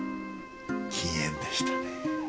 禁煙でしたね。